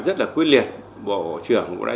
rất là quyết liệt bộ trưởng cũng đã